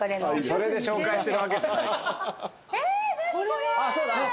それで紹介してるわけじゃない。